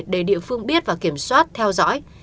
để địa phương biết và kiểm soát theo dõi